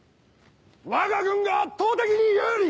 わが軍が圧倒的に有利！